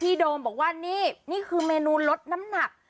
โดมบอกว่านี่นี่คือเมนูลดน้ำหนัก